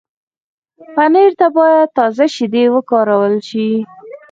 پنېر ته باید تازه شیدې وکارول شي.